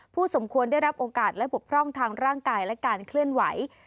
สมควรได้รับโอกาสและบกพร่องทางร่างกายและการเคลื่อนไหว